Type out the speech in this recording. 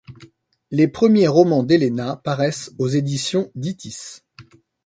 Les premiers romans d'Héléna paraissent aux éditions Ditis.